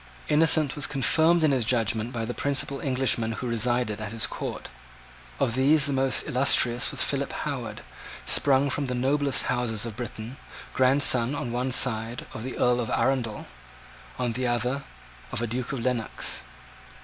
Innocent was confirmed in his judgment by the principal Englishmen who resided at his court. Of these the most illustrious was Philip Howard, sprung from the noblest houses of Britain, grandson, on one side, of an Earl of Arundel, on the other, of a Duke of Lennox.